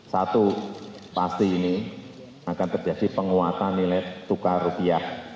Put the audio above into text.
satu pasti ini akan terjadi penguatan nilai tukar rupiah